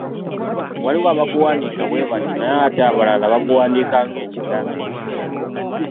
Waliwo abaguwandiika bwe batyo, naye ate abalala, baguwandiika ng'ekigambo ekimu.